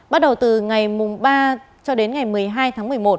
bắt đầu từ ngày ba cho đến ngày một mươi hai tháng một mươi một